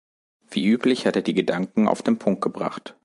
Wie üblich hat er die Gedanken auf den Punkt gebracht.